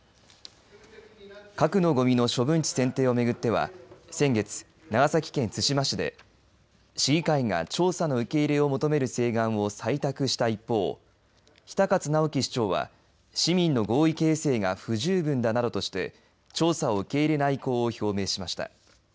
核のごみの処分地選定を巡っては先月、長崎県対馬市で市議会が調査の受け入れを求める請願を採択した一方比田勝尚喜市長は市民の合意形成が不十分だなどとして調査を受け入れない意向を表明しました。